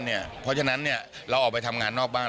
เพราะฉะนั้นเราออกไปทำงานนอกบ้าน